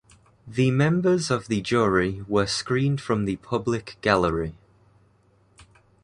The members of the jury were screened from the public gallery.